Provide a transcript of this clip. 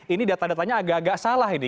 ini data datanya agak agak salah ini